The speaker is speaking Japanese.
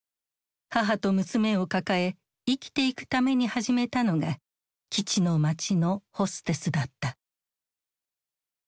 母と娘を抱え生きていくために始めたのが基地の街のホステスだった。